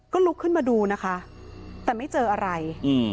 ก็ลุกขึ้นมาดูนะคะแต่ไม่เจออะไร